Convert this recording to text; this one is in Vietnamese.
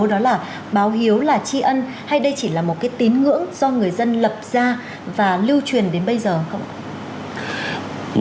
đó là báo hiếu là tri ân hay đây chỉ là một cái tín ngưỡng do người dân lập ra và lưu truyền đến bây giờ không ạ